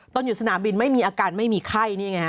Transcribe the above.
อยู่สนามบินไม่มีอาการไม่มีไข้นี่ไงฮะ